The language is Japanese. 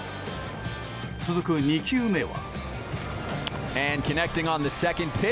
続く２球目は。